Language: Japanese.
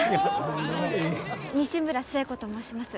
西村寿恵子と申します。